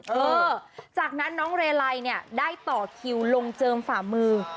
เออจากนั้นน้องเรลัยเนี่ยได้ต่อคิวลงเจิมฝ่ามือ